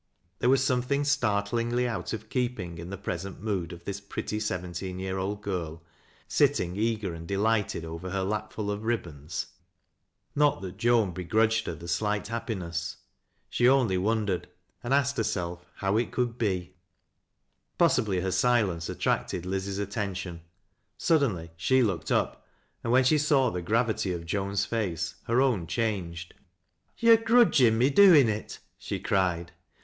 There .was some thing startlingly out of keeping in the present mood ol this pretty seventsen year old girl sitting eager and de lighted over her lapf ul of ribbons ? Not that Joan be grudged her the slight happiness — she only wondered, and asked herself how it could be. Possibly her silence attracted Liz's attention. Suddenly she looked up, and when she saw the gra^'ity of Joan's face, her own changed. " To're grudgin' me doin' it," she cried.